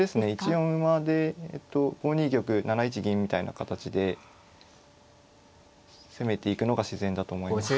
１四馬で５二玉７一銀みたいな形で攻めていくのが自然だと思います。